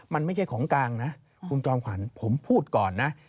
มันไม่ใช่ของกลางนะคุณจอมขวัญผมพูดก่อนนะ